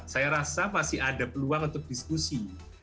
saya rasa masih ada peluang untuk diskusi